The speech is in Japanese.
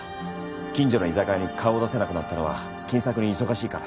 近所の居酒屋に顔を出せなくなったのは金策に忙しいから。